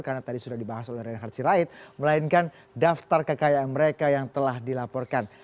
karena tadi sudah dibahas oleh renek hartsirait melainkan daftar kekayaan mereka yang telah dilaporkan